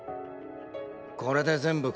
これで全部か。